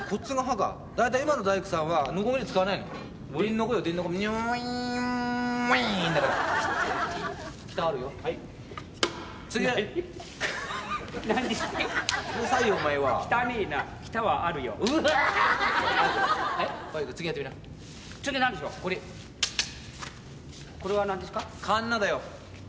かんなだよ。